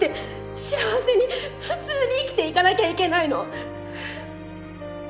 幸せに普通に生きていかなきゃいけないの。